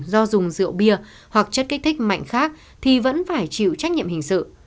do dùng rượu bia hoặc chất kích thích mạnh khác thì vẫn phải chịu trách nhiệm hình sự